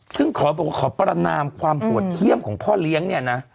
ซึ่งขอบอกว่าขอประนามความโหดเยี่ยมของพ่อเลี้ยงเนี่ยนะ